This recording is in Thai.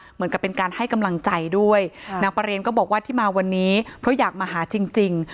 เหมือนกับเป็นการให้กำลังใจด้วยนางประเรนก็บอกว่าที่มาวันนี้เพราะอยากมาหาจริง